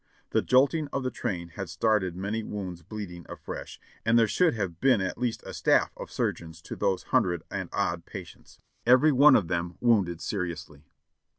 The jolting of the train had started many wounds bleeding afresh, and there should have been at least a staff of surgeons to those hundred and odd patients, every one of them wounded seriously.